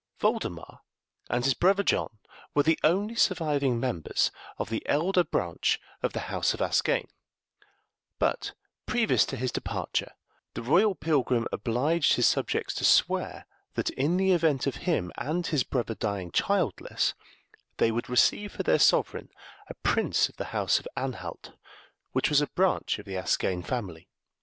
Voldemar and his brother John were the only surviving members of the elder branch of the House of Ascagne; but, previous to his departure, the royal pilgrim obliged his subjects to swear that, in the event of him and his brother dying childless, they would receive for their sovereign a prince of the House of Anhalt, which was a branch of the Ascagne family.